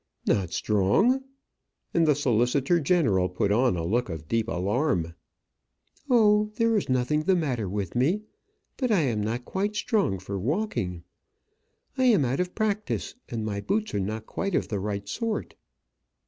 "Not strong?" And the solicitor general put on a look of deep alarm. "Oh, there is nothing the matter with me; but I am not quite strong for walking. I am out of practice; and my boots are not quite of the right sort."